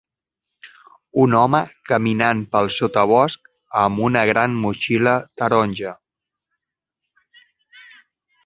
Un home caminant pel sotabosc amb una gran motxilla taronja.